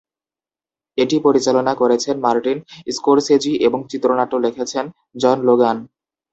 এটি পরিচালনা করেছেন মার্টিন স্কোরসেজি এবং চিত্রনাট্য লিখেছেন জন লোগান।